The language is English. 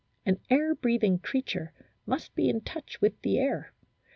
An air breathing creature must be in touch with the air.